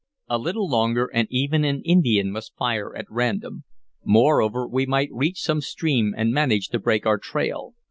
A little longer, and even an Indian must fire at random; moreover, we might reach some stream and manage to break our trail.